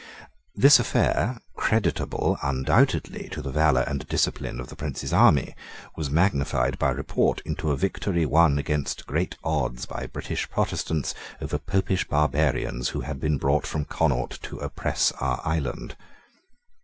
This affair, creditable undoubtedly to the valour and discipline of the Prince's army was magnified by report into a victory won against great odds by British Protestants over Popish barbarians who had been brought from Connaught to oppress our island.